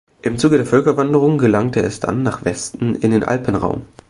Im Zuge der Völkerwanderung gelangte es dann nach Westen in den Alpenraum.